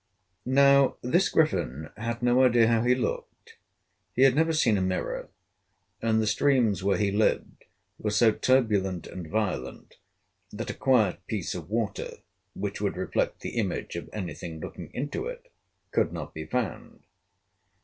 Now, this Griffin had no idea how he looked. He had never seen a mirror, and the streams where he lived were so turbulent and violent that a quiet piece of water, which would reflect the image of any thing looking into it, could not be found.